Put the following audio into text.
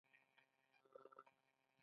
ایا زه د زړه ګراف کولی شم؟